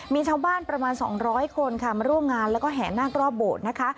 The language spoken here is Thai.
มีชาวบ้านประมาณ๒๐๐คนค่ะมาร่วมงานแล้วก็แห่นาครอบโบสถ์นะคะ